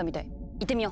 行ってみよ！